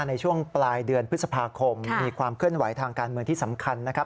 ในช่วงปลายเดือนพฤษภาคมมีความเคลื่อนไหวทางการเมืองที่สำคัญนะครับ